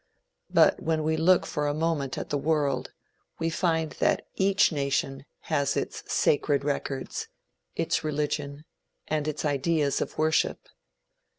But when we look for a moment at the world, we find that each nation has its "sacred records" its religion, and its ideas of worship.